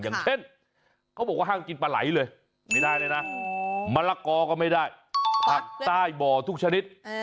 อย่างเช่นเขาบอกว่าห้ามกินปลาไหลเลยไม่ได้เลยนะมะละกอก็ไม่ได้ผักใต้บ่อทุกชนิด